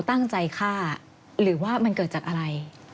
แต่ว่ามันเกิดจากอะไร